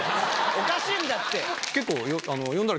おかしいんだって！